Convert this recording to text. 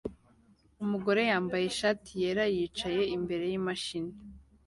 Umugore wambaye ishati yera yicaye imbere yimashini